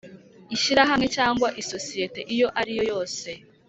Ishyirahamwe cyangwa isosiyete iyo ariyo yose